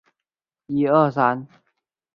敬请见谅